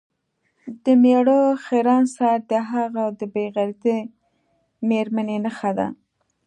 د میړه خیرن سر د هغه د بې غیرتې میرمنې نښه ده.